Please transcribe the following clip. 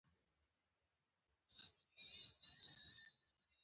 دوی وخت په وخت د چاپیریال ساتونکي لیږدوي